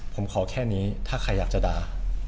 ผมขอแค่นี้ถ้าใครอยากจะด่า